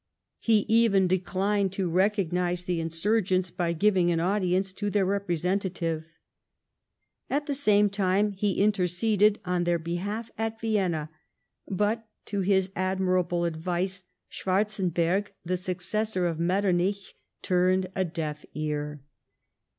He even declined to recognize the insurgents by giving an audience to their representative. At the same time he interceded on their behalf at Vienna; but to his admirable advice Schwarzenberg, the successor of Metternich, turned a. deaf ear.